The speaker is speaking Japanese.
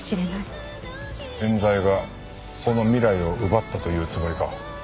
冤罪がその未来を奪ったと言うつもりか？